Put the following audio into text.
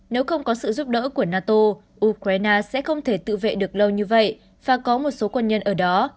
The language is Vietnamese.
nếu không có sự giúp đỡ của nato ukraine sẽ không thể tự vệ được lâu như vậy và có một số quân nhân ở đó